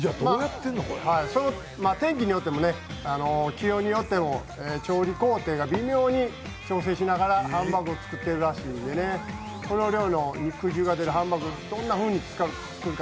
天気によっても、気温によっても調理工程が微妙に調整しながらハンバーグを作っているらしくてね、この量の肉汁が出るハンバーグ、どんなふうに作るか。